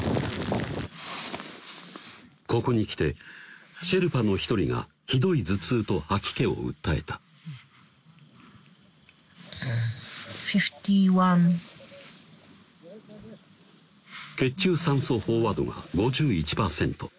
ここに来てシェルパの一人がひどい頭痛と吐き気を訴えた血中酸素飽和度が５１％